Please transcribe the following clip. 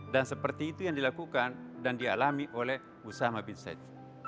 dan seperti itu yang dilakukan dan dialami oleh usama bin said